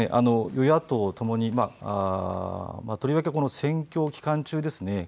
与野党ともにとりわけこの選挙期間中ですね